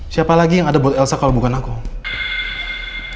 siapa lagi yang ada buat elsa kalau bukan aku